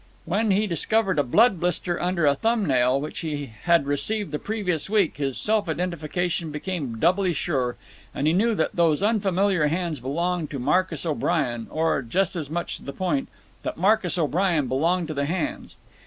When he discovered a blood blister under a thumb nail, which he had received the previous week, his self identification became doubly sure, and he knew that those unfamiliar hands belonged to Marcus O'Brien, or, just as much to the point, that Marcus O'Brien belonged to the hands.